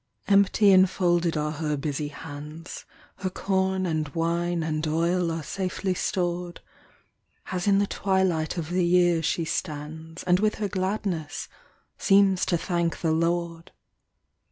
Empty and folded are her busy hands; Her corn and wine and oil are safely stored, As in the twilight of the year she stands, And with her gladness seems to thank the Lord.